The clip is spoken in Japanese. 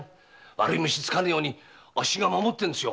悪い虫がつかねえようにあっしが守ってるんですよ。